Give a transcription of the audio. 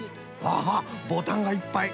アハッボタンがいっぱい。